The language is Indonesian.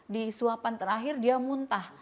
di suapan terakhir dia muntah